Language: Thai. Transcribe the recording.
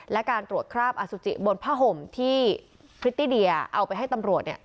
และการตรวจคราบอสุจิบนผ้าห่มที่พริตติเดียเอาไปให้ตำรวจ